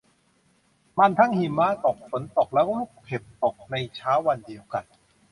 มันทั้งหิมะตกฝนตกแล้วลูกเห็บตกในเช้าวันเดียวกัน